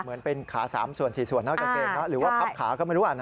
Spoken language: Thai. เหมือนเป็นขา๓ส่วน๔ส่วนนะกางเกงหรือว่าพับขาก็ไม่รู้